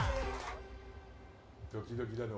ドキドキだね